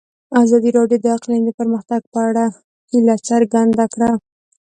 ازادي راډیو د اقلیم د پرمختګ په اړه هیله څرګنده کړې.